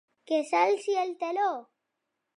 Que s’alci el teló!